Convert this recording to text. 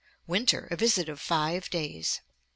Winter, a visit of five days.